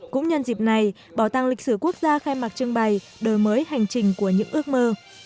cũng nhân dịp này bảo tàng lịch sử quốc gia khai mạc trưng bày đổi mới hành trình của những ước mơ